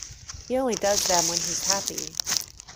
He only does them when he’s happy.